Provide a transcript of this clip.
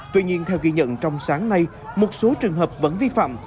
tuy nhiên theo ghi nhận trong sáng nay một số trường hợp vẫn vi phạm